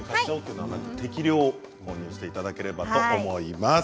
適量を購入していただければと思います。